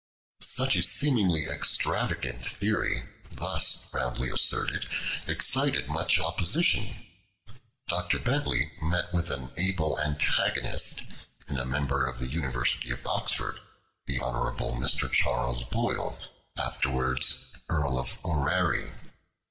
Such a seemingly extravagant theory, thus roundly asserted, excited much opposition. Dr. Bentley met with an able antagonist in a member of the University of Oxford, the Hon. Mr. Charles Boyle, afterwards Earl of Orrery.